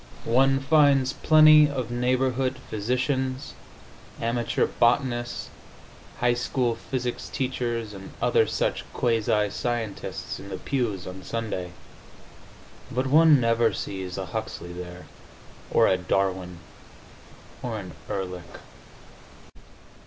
One finds plenty of neighborhood physicians, amateur botanists, high school physics teachers and other such quasi scientists in the pews on Sunday, but one never sees a Huxley there, or a Darwin, or an Ehrlich.